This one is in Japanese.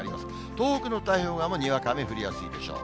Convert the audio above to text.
東北の太平洋側もにわか雨、降りやすいでしょう。